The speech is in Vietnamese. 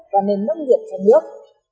và nền nông nghiệp cho nước